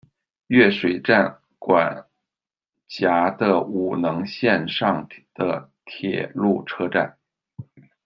越水站管辖的五能线上的铁路车站。